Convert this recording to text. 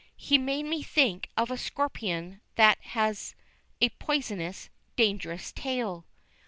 He made me think of a scorpion that has a poisonous, dangerous tail.